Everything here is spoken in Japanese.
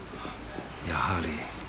やはり。